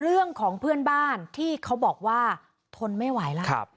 เรื่องของเพื่อนบ้านที่เขาบอกว่าทนไม่ไหวแล้ว